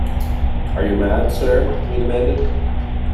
‘Are you mad, sir?’ he demanded.